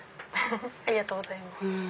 ありがとうございます。